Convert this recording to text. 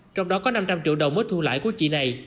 trong đó có năm trăm linh triệu đồng mới thu lãi của chị này